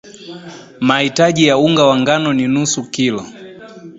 mahitaji ya unga wa ngano ni nusu kilo